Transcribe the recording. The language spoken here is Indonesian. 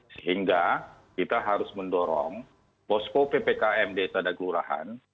sehingga kita harus mendorong pospo ppkm di atas daerah kelurahan